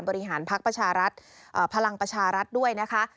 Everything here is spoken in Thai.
บริหารพักประชารัฐพลังประชารัฐด้วยนะคะ